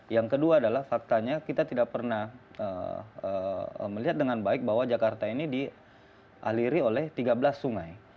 yang kedua adalah faktanya kita tidak pernah melihat dengan baik bahwa jakarta ini dialiri oleh tiga belas sungai